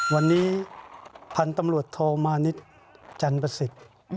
วันนี้พันธุ์ตำรวจโทมานิดจันประสิทธิ์